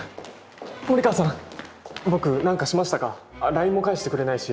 ＬＩＮＥも返してくれないし。